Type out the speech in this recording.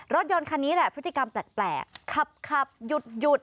รถยนต์คันนี้แหละพฤติกรรมแปลกขับหยุด